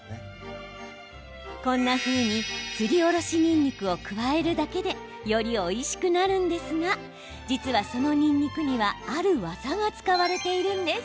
こんなふうにすりおろしにんにくを加えるだけでよりおいしくなるんですが実は、そのにんにくにはある技が使われているんです。